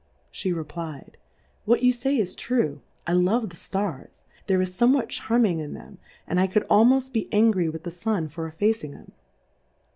She reply'd, what you fay is true, I love the Stars^ there is fomewhat charming ia them, and I could almoft be angry witli the Stm for effacing 'em.